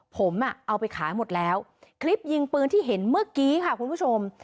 ผมอ่ะเอาไปขายหมดแล้วคลิปยิงปืนที่เห็นเมื่อกี้ค่ะคุณผู้ชม